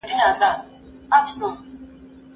هغوی له سهاره تر ماښامه کار کاوه.